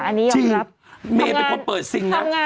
ไม่ใช่คำนี้